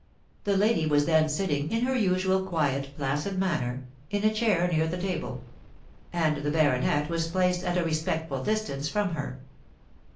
The lady was then sitting, in her usual quiet, placid manner, in a chair near the table; and the baronet was placed at a respectful distance from her.